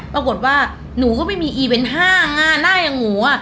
ปรากฏว่าหนูก็ไม่มีอีเวนต์๕งานหน้าอย่างหนู